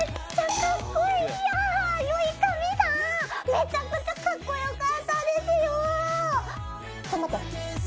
めちゃくちゃかっこよかったですよ！